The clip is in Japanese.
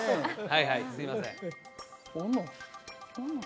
はいはいすいません斧？